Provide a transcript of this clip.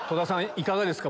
いかがですか？